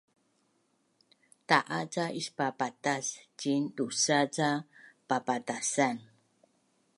Ta’a ca ispapatas ciin dusa’ ca papatasan